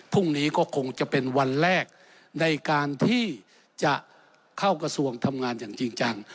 พรุ่งนี้ก็คงจะเป็นวันแรกในการที่จะเข้ากระทรวงทำงานอย่างจริงจัง